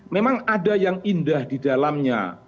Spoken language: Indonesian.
memang ada yang indah di dalamnya